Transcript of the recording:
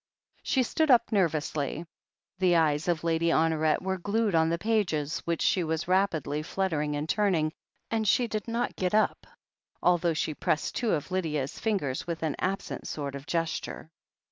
She stood up nervously. The eyes of Lady Hon oret were glued on the pages which she was rapidly fluttering and turning, and she did not get up, although she pressed two of Lydia's fingers with an absent sort of gesture.